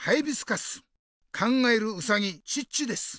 考えるウサギチッチです。